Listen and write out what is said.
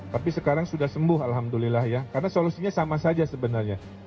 tapi sekarang sudah sembuh alhamdulillah ya karena solusinya sama saja sebenarnya